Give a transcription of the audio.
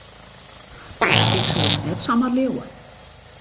Ik soe dat net samar leauwe.